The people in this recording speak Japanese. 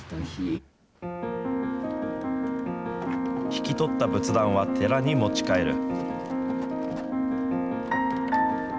引き取った仏壇は寺に持ち帰る。